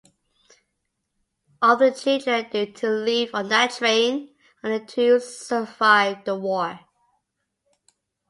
Of the children due to leave on that train, only two survived the war.